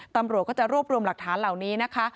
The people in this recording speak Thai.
ตำรวจก็จะรวบรวมหลักฐานเหล่านี้นะคะ